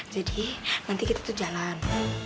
jadi nanti kita tuh jalan